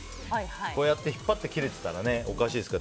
こうやって引っ張って切れてたらおかしいですから。